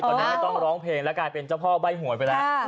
ตอนนี้ไม่ต้องร้องเพลงแล้วกลายเป็นเจ้าพ่อใบ้หวยไปแล้ว